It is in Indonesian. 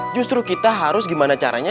justru kita harus gimana caranya